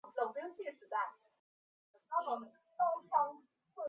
藏南风铃草为桔梗科风铃草属的植物。